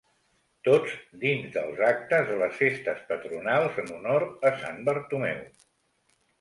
Tots dins dels actes de les festes patronals en honor a Sant Bartomeu.